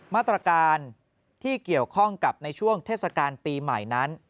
มาตรการที่เกี่ยวข้องกับในช่วงเทศกาลปีใหม่นั้น